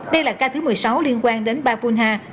đây là ca thứ một mươi sáu liên quan đến ba puda